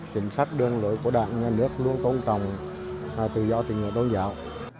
chính sách đơn lỗi của đảng nhà nước luôn tôn trọng tự do tình nguyện tôn giáo